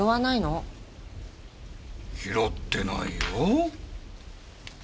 拾ってないよ！